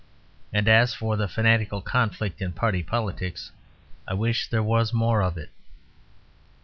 And as for the fanatical conflict in party politics, I wish there was more of it.